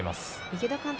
池田監督